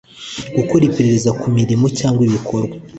Gukora iperereza ku mirimo cyangwa ibikorwa